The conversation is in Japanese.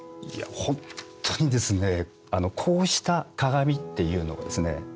ほんっとにですねこうした鏡っていうのはですね